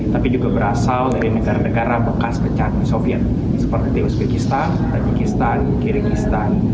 tapi juga berasal dari negara negara bekas pecat soviet seperti uzbekistan tajikistan kyrgyzstan